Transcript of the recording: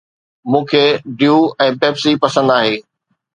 مون کي Dew ۽ Pepsi پسند آهي.